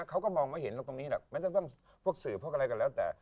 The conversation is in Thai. เขาก็มองไม่เห็นหรอกตรงนี้แหละไม่ต้องพวกสื่อพวกอะไรก็แล้วแต่